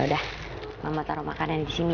ya udah mama taruh makanan di sini ya